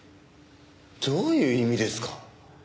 どういう意味ですか？